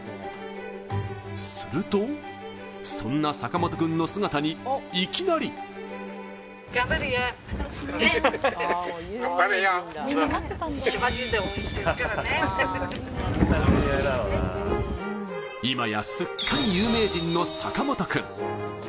すると、そんな坂本君の姿にいきなり今やすっかり有名人の坂本君。